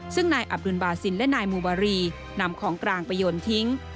ซึ่งนายอับดุลบาซินและนายมูบารีนำของกลางไปโยนทิ้ง